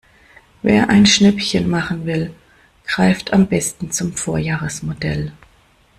Wer ein Schnäppchen machen will, greift am besten zum Vorjahresmodell.